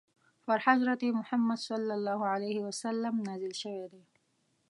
پر حضرت محمد ﷺ نازل شوی دی.